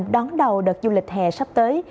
đón đầu đợt du lịch hè sắp tới